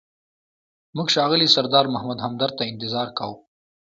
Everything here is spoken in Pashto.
موږ ښاغلي سردار محمد همدرد ته انتظار کاوه.